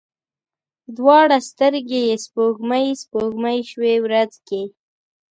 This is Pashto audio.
دواړې سترګي یې سپوږمۍ، سپوږمۍ شوې ورځ کې